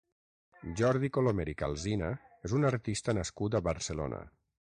Jordi Colomer i Calsina és un artista nascut a Barcelona.